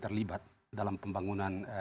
terlibat dalam pembangunan